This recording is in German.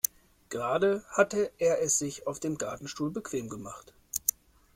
Gerade hatte er es sich auf dem Gartenstuhl bequem gemacht.